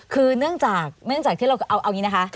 คือเนื่องจากที่เราเอาอย่างนี้นะคะ